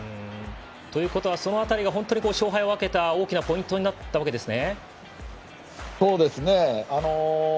ということはその辺りが勝敗を分けた大きなポイントになったわけですね。